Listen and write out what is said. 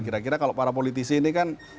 kira kira kalau para politisi ini kan